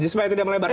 supaya tidak melebar